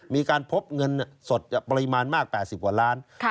มีการพบเงินสดปริมาณมาก๘๐กว่าล้าน